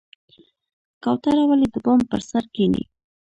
کوتره ولې د بام پر سر کیني؟